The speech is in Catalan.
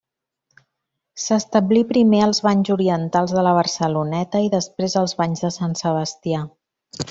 S'establí primer als Banys Orientals de la Barceloneta i després als Banys de Sant Sebastià.